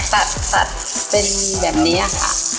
ตัดตัดเป็นแบบนี้ค่ะ